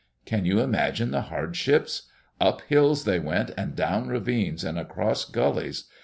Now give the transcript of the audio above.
Can you imagine the hardships? Up hills they went and down ravines and across gullies.